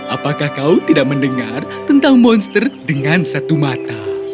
apakah kau tidak mendengar tentang monster dengan satu mata